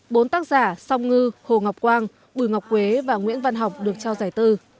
bốn tác giả song ngư hồ ngọc quang bùi ngọc quế và nguyễn văn học được trao giải tư